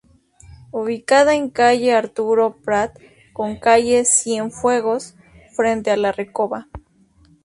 Ubicada en calle Arturo Prat con calle Cienfuegos, frente a La Recova.